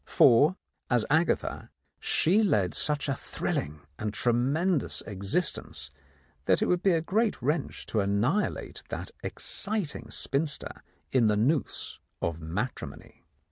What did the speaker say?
For as Agatha she led such a thrilling and tremendous existence that it would be a great wrench to annihilate that exciting spinster in the noose of matrimony.